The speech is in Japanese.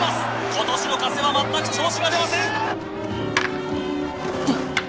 今年の加瀬はまったく調子が出ません